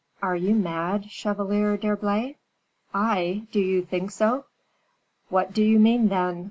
"Are you mad, Chevalier d'Herblay?" "I! do you think so?" "What do you mean, then?